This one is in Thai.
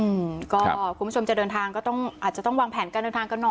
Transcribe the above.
อืมก็คุณผู้ชมจะเดินทางก็ต้องอาจจะต้องวางแผนการเดินทางกันหน่อย